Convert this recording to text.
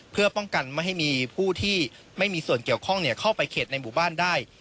เพื่อป้องกันไม่ให้มีผู้ที่ไม่มีส่วนเกี่ยวข้องเข้าไปเขตในหมู่บ้านได้